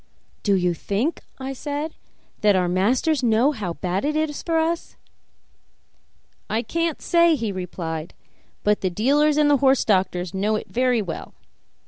"Do you think," I said, "that our masters know how bad it is for us?" "I can't say," he replied, "but the dealers and the horse doctors know it very well.